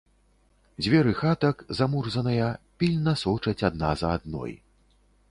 Дзверы хатак, замурзаныя, пільна сочаць адна за адной.